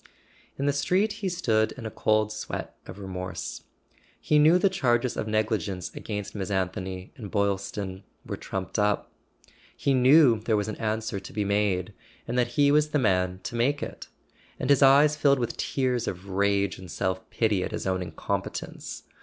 In the street he stood in a cold sweat of remorse. He knew the charges of negligence against Miss An¬ thony and Boylston were trumped up. He knew there was an answer to be made, and that he was the man to make it; and his eyes filled with tears of rage and self pity at his own incompetence.